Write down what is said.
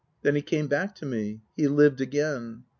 Then he came back to me he lived again.